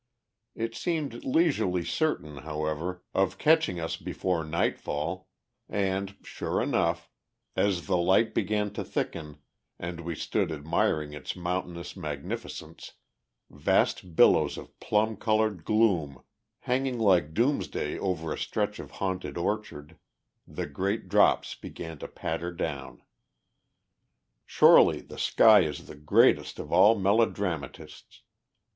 It seemed leisurely certain, however, of catching us before nightfall; and, sure enough, as the light began to thicken, and we stood admiring its mountainous magnificence vast billows of plum coloured gloom, hanging like doomsday over a stretch of haunted orchard the great drops began to patter down. Surely the sky is the greatest of all melodramatists.